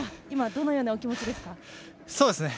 今、どのようなお気持ちですか？